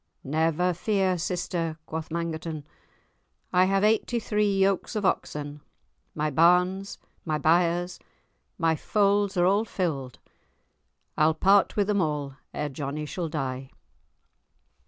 "Never fear, sister," quoth Mangerton, "I have eighty three yokes of oxen, my barns, my byres, my folds are all filled, I'll part with them all ere Johnie shall die."